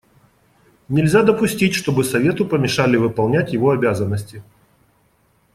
Нельзя допустить, чтобы Совету помешали выполнять его обязанности.